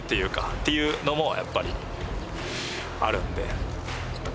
っていうのもやっぱりあるんで。